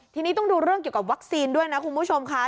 ทีนี้ต้องดูเรื่องเกี่ยวกับวัคซีนด้วยนะคุณผู้ชมค่ะ